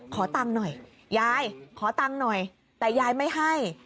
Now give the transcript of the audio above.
ขอตังค์หน่อยยายขอตังค์หน่อยแต่ยายไม่ให้